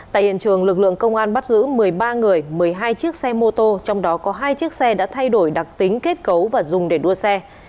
tại hiện trường lực lượng công an bắt giữ một mươi ba người một mươi hai chiếc xe mô tô trong đó có hai chiếc xe đã thay đổi đặc tính kết cấu và dùng để đua xe